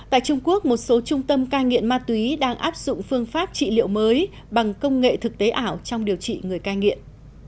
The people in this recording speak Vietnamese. tại trung quốc một số trung tâm cai nghiện ma túy đang áp dụng phương pháp trị liệu mới bằng công nghệ thực tế ảo trong điều trị người cai nghiện